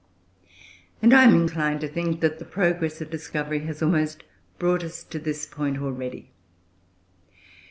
And I am inclined to think that the progress of discovery has almost brought us to this point already.